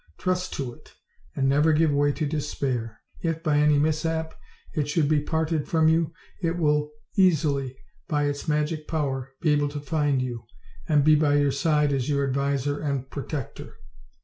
Trust to it, and never give way to despair. If, by any mishap, it should be parted from you, it will easily, by its magic power, be able to find you, and be by your side as your ad viser and protector.